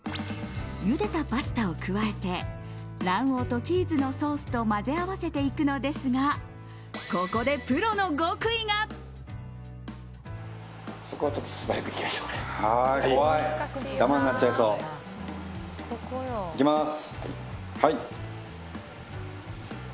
ゆでたパスタを加えて卵黄とチーズのソースと混ぜ合わせていくのですがここでプロの極意が。いきます！